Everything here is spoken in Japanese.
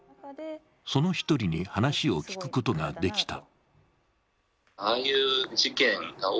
その１人に、話を聞くことができた。